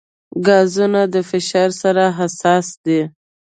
ګازونه د فشار سره حساس دي.